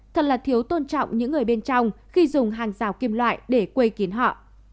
thật là thiếu tôn trọng những người bên trong khi dùng hàng rào kim loại để quây kiến họ